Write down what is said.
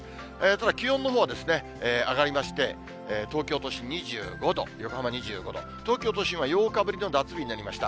ただ気温のほうは上がりまして、東京都心２５度、横浜２５度、東京都心は８日ぶりの夏日になりました。